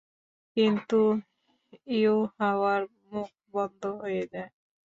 কিন্তু ইউহাওয়ার মুখ বন্ধ হয়ে যায়।